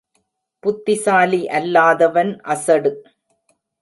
புத்திசாலி அல்லாதவன் அசடு.